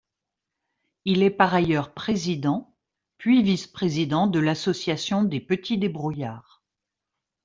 Il est par ailleurs président puis vice-président de l'association des Petits débrouillards.